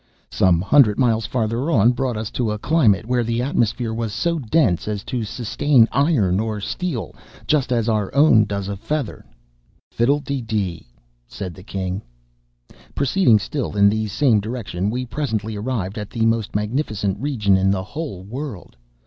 "Some hundred miles farther on brought us to a climate where the atmosphere was so dense as to sustain iron or steel, just as our own does feather.'" (*7) "Fiddle de dee," said the king. "Proceeding still in the same direction, we presently arrived at the most magnificent region in the whole world.